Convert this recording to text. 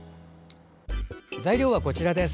材料はこちらです。